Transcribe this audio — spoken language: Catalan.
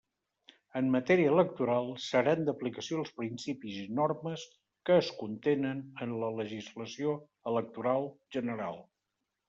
En matèria electoral, seran d'aplicació els principis i normes que es contenen en la legislació electoral general.